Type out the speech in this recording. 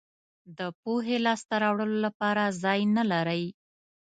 د پوهې لاسته راوړلو لپاره ځای نه لرئ.